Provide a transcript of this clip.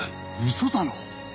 嘘だろ？